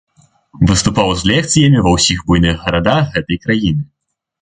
Выступаў з лекцыямі ва ўсіх буйных гарадах гэтай краіны.